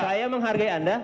saya menghargai anda